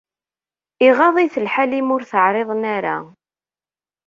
Iɣaḍ-it lḥal imi ur t-ɛriḍen ara.